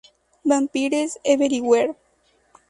Vampires Everywhere!